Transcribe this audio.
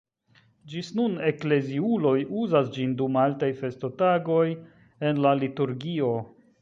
Ĝis nun ekleziuloj uzas ĝin dum altaj festotagoj en la liturgio.